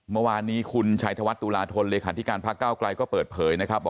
เมื่อวานนี้คุณชัยธวัฒนตุลาธนเลขาธิการพักเก้าไกลก็เปิดเผยนะครับ